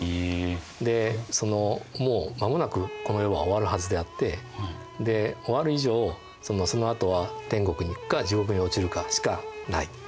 でもう間もなくこの世は終わるはずであって終わる以上そのあとは天国にいくか地獄に落ちるかしかない。